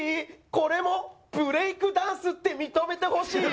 これもブレイクダンスって認めてほしい。